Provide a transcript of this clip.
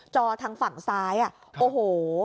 อทางฝั่งซ้ายโอ้โห